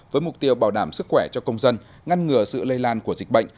với mục tiêu bảo đảm sức khỏe cho công dân ngăn ngừa sự lây lan của dịch bệnh